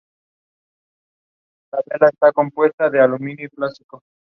La sede del condado es Romney.